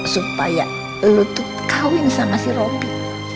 supaya lu tuh kawin sama si ropi